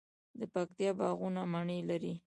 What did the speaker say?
د پکتیا باغونه مڼې لري.